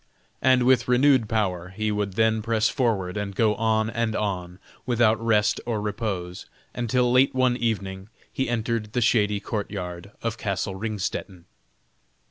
And with renewed power he would then press forward, and go on and on without rest or repose, until late one evening he entered the shady court yard of castle Ringstetten.